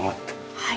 はい。